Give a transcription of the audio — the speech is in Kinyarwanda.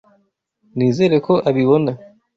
Nizere ko abibona.